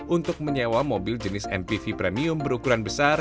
untuk menyewa mobil jenis mpv premium berukuran besar